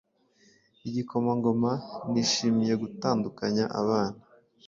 igikomangoma nishimiye gutandukanya abana